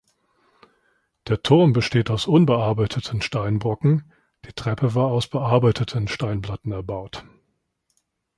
Der Turm besteht aus unbearbeiteten Steinbrocken, die Treppe war aus bearbeiteten Steinplatten erbaut.